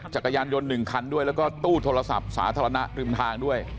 จักรยานยนต์๑คันด้วยแล้วก็ตู้โทรศัพท์สาธารณะริมทางด้วย